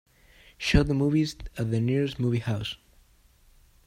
show the movies at the nearest movie house